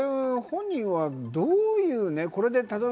本人はどういう。